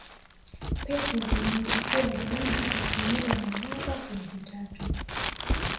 pepo inayochukua zaidi ya kilometa za mraba elfu tatu